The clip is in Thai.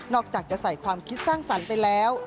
อกจากจะใส่ความคิดสร้างสรรค์ไปแล้ว